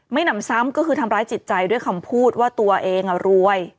หนำซ้ำก็คือทำร้ายจิตใจด้วยคำพูดว่าตัวเองรวย